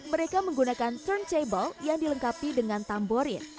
mereka menggunakan turntable yang dilengkapi dengan tamborin